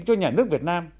cho nhà nước việt nam